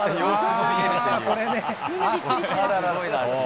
これね。